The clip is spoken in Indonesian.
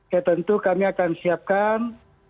ya tentu kami akan siapkan